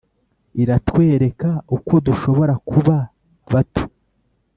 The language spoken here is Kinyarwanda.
iratwereka uko dushobora kuba bato.